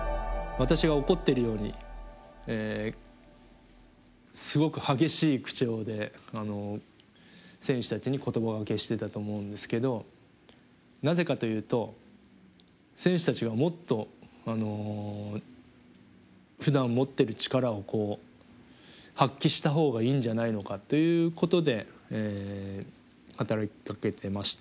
私が怒っているようにすごく激しい口調で選手たちに言葉がけしてたと思うんですけどなぜかというと選手たちがもっとふだん持ってる力を発揮したほうがいいんじゃないのかということで働きかけてました。